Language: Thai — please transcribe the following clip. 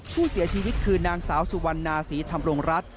ผู้เสียชีวิตคือนางสาวสุวรรณาศรีธรรมรงรัฐ